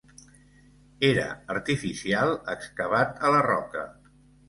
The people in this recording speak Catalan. Era artificial, excavat a la roca.